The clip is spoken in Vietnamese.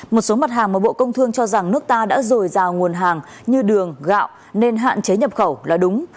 một số mặt hàng mà bộ công thương cho rằng nước ta đã dồi dào nguồn hàng như đường gạo nên hạn chế nhập khẩu là đúng